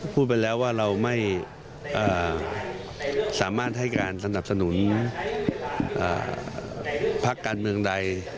พูดไปแล้วว่าเราไม่สามารถให้การสนับสนุนพักการเมืองใด